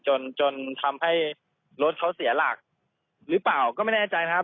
จนจนทำให้รถเขาเสียหลักหรือเปล่าก็ไม่แน่ใจนะครับ